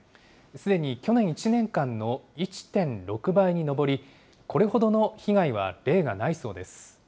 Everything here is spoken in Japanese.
すでに去年１年間の１．６倍に上り、これほどの被害は例がないそうです。